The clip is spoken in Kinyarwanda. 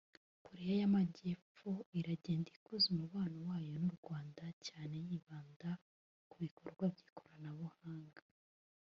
Korea y’Amajyepfo iragenda ikuza umubano wayo n’u Rwanda cyane yibanda ku bikorwa by’ikoranabuhanga